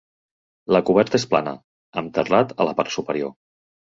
La coberta és plana, amb terrat a la part superior.